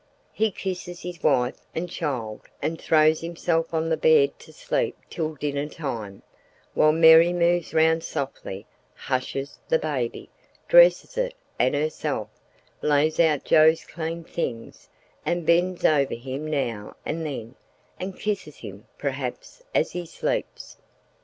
He kisses his wife and child and throws himself on the bed to sleep till dinner time, while Mary moves round softly, hushes the baby, dresses it and herself, lays out Joe's clean things, and bends over him now and then, and kisses him, perhaps, as he sleeps.